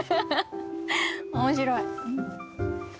面白い。